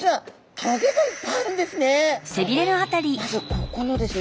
まずここのですね